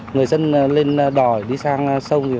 người dân lên đòi đi sang sông